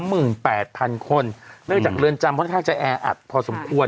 เนื่องจากเรือนจำค่อนข้างจะแอบพอสมควร